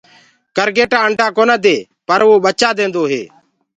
ڪَرگيٽآ انڊآ ڪونآ دي پر ڀچآ ديدو هي۔